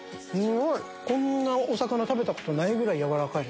こんなお魚食べたことないぐらい軟らかい。